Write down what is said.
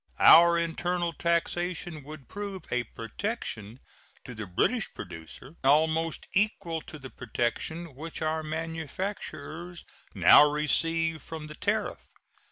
Our internal taxation would prove a protection to the British producer almost equal to the protection which our manufacturers now receive from the tariff.